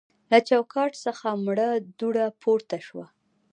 له چوکاټ څخه مړه دوړه پورته شوه.